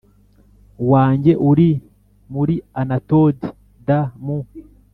wanjye uri muri Anatoti d mu